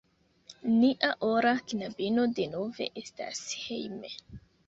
Nia ora knabino denove estas hejme!